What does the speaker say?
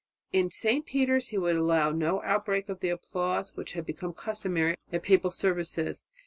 In St. Peter's he would allow no outbreak of the applause which had become customary at papal services.